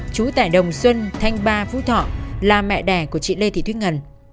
chú tài đồng xuân thanh ba phú thọ là mẹ đẻ của chị lê thị thuyết ngân